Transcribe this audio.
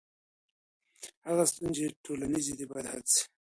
هغه ستونزي چي ټولنیزي دي باید حل سي.